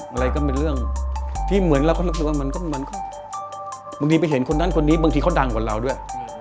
อะไรก็เป็นเรื่องที่เหมือนเราก็รู้สึกว่ามันก็บางทีไปเห็นคนนั้นคนนี้บางทีเขาดังกว่าเราด้วย